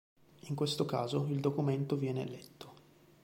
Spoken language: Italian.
In questo caso il documento viene "letto".